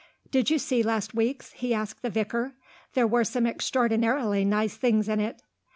"Did you see last week's?" he asked the Vicar. "There were some extraordinarily nice things in it."